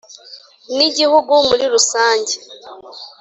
ni gihugu muri rusange,